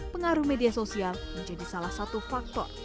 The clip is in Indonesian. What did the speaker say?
pengaruh media sosial menjadi salah satu faktor